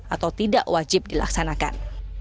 atau tidak wajib dilaksanakan